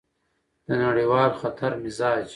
د نړیوال خطر مزاج: